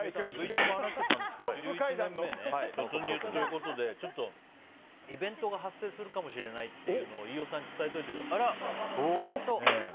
Ｖ中も話してたんですけど１１年目に突入ということでイベントが発生するかもしれないというのを飯尾さんに伝えておいてください。